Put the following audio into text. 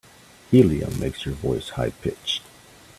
Helium makes your voice high pitched.